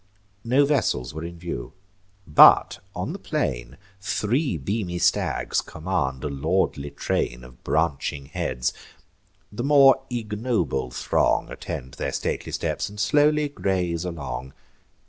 No vessels were in view; but, on the plain, Three beamy stags command a lordly train Of branching heads: the more ignoble throng Attend their stately steps, and slowly graze along.